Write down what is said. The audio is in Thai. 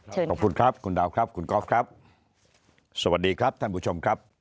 ขอบคุณครับคุณดาวครับคุณกอล์ฟครับสวัสดีครับท่านผู้ชมครับ